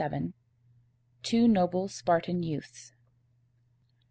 XLVII. TWO NOBLE SPARTAN YOUTHS.